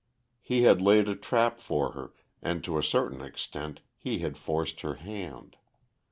He had laid a trap for her and to a certain extent he had forced her hand.